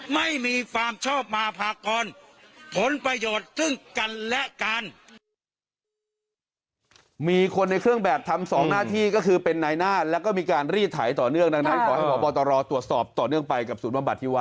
ไม่มีความชอบมาพากรผลประโยชน์ซึ่งกันและกัน